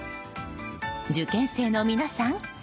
受験生の皆さん